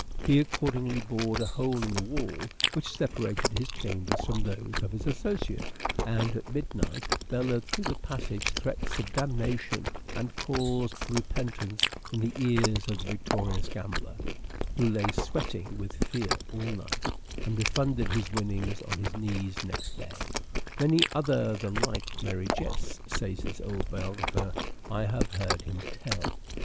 He accordingly bored a hole in the wall which separated his chambers from those of his associate, and at midnight bellowed through the passage threats of damnation and calls to repentance in the ears of the victorious gambler, who lay sweating with fear all night, and refunded his winnings on his knees next day. ' Many other the like merry jests,' says his old biographer, ' I have heard him tell.'